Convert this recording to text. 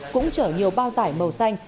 cũng chở nhiều bao tải màu xanh